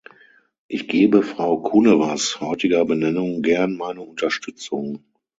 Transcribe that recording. Ich gebe Frau Kunewas heutiger Benennung gern meine Unterstützung.